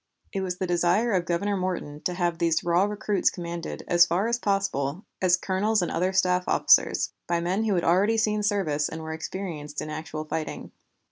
It was the desire of Governor Morton to have these raw recruits commanded, as far as possible, as colonels and other staff officers, by men who had already seen service and were experienced in actual fighting.